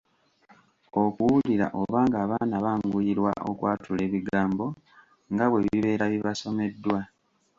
Okuwulira oba ng’abaana banguyirwa okwatula ebigambo nga bwe bibeera bibasomeddwa.